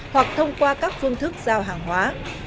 hoặc thông qua các phương thức giao hàng hóa